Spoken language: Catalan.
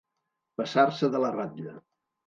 Passar-se de la ratlla.